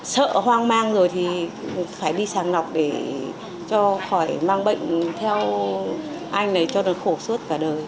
sợ hoang mang rồi thì phải đi sàng lọc để cho khỏi mang bệnh theo anh này cho được khổ suốt cả đời